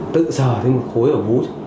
tự sờ thấy một khối ở vú